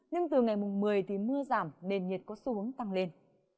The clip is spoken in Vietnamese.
nhưng từ ngày mùng một mươi thì mưa giảm nền nhiệt có xu hướng tăng lên